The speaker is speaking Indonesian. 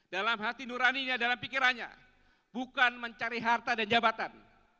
dalam hati nuraninya dalam pikirannya bukan mencari harta dan jabatan